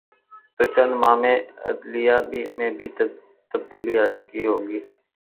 تو چند ماہ میں عدلیہ میں بھی تبدیلی آ چکی ہو گی۔